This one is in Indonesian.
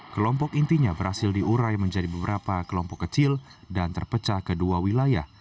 kelompok intinya berhasil diurai menjadi beberapa kelompok kecil dan terpecah ke dua wilayah